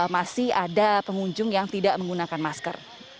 masih ada pengunjung yang tidak menggunakan masker